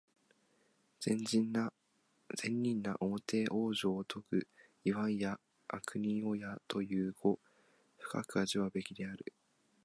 善人なおもて往生をとぐ、いわんや悪人をやという語、深く味わうべきである。